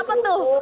sambal di rumah